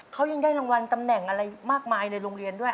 เขายังได้รางวัลตำแหน่งอะไรมากมายในโรงเรียนด้วย